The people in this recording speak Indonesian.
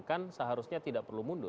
kan seharusnya tidak perlu mundur